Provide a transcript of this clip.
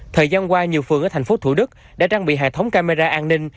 thời gian qua nhiều phường ở thành phố thủ đức đã trang bị hệ thống camera an ninh